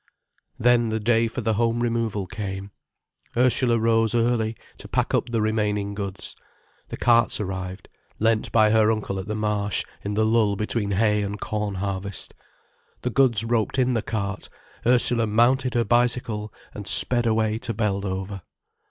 Then the day for the home removal came. Ursula rose early, to pack up the remaining goods. The carts arrived, lent by her uncle at the Marsh, in the lull between hay and corn harvest. The goods roped in the cart, Ursula mounted her bicycle and sped away to Beldover.